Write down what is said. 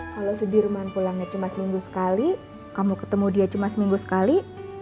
kalau sudirman pulangnya cuma seminggu sekali kamu ketemu dia cuma seminggu sekali